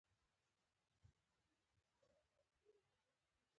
تاریخي کتابونو کې داسې کیسې راوړل شوي.